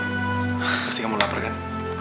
pasti kamu lapar kan